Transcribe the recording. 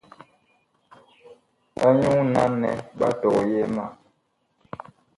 Anyuu naŋ nɛ ɓa tɔyɛɛ ma.